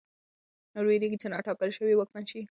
نور وېرېږي چې نا ټاکل شوی واکمن شي.